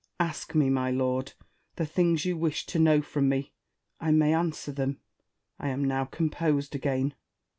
Ask me, my lord, the things you wish to know from me : I may answer them ; I am now composed again.